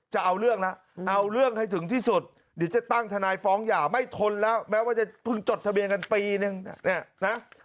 จะเอาเรื่องแล้วเอาเรื่องให้ถึงที่สุดเดี๋ยวจะตั้งทนายฟ้องหย่าไม่ทนแล้วแม้ว่าจะเพิ่งจดทะเบียนกันปีนึงเนี่ยนะ